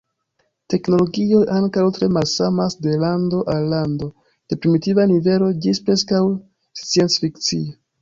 Teknologioj ankaŭ tre malsamas de lando al lando, de primitiva nivelo ĝis preskaŭ scienc-fikcia.